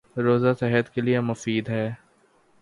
روزہ صحت کے لیے مفید ہے